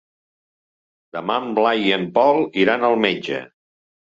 Demà en Blai i en Pol iran al metge.